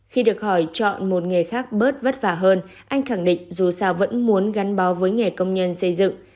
khi được hỏi chọn một nghề khác bớt vất vả hơn anh khẳng định dù sao vẫn muốn gắn bó với nghề công nhân xây dựng